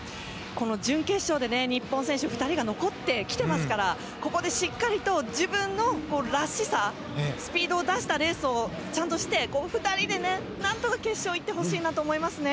この準決勝で日本選手２人が残ってきてますからここでしっかりと自分のらしさスピードを出したレースをちゃんとして２人でなんとか決勝に行ってほしいなと思いますね。